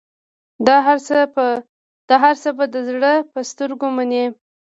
دا هرڅه به د زړه په سترګو منې.